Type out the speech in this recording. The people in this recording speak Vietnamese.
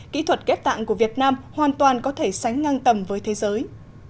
kỹ thuật ghép tạng của việt nam hoàn toàn có thể sánh ngang tầm với thế giới